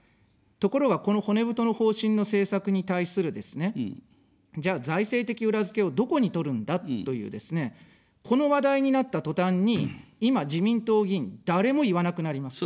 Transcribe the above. ところが、この骨太の方針の政策に対するですね、じゃあ、財政的裏付けをどこに取るんだというですね、この話題になったとたんに、今、自民党議員、誰も言わなくなります。